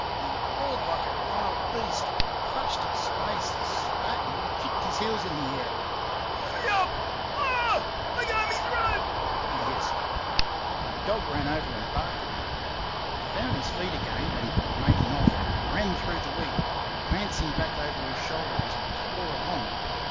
He roared like a wild beast, clutched at space, spat, and kicked his heels in the air. "Let me up! AH H H! let go me throat!" he hissed. The dog ran over and barked at him. He found his feet again, and, making off, ran through the wheat, glancing back over his shoulder as he tore along.